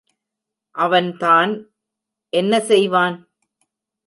அவன் தான் என்ன செய்வான்?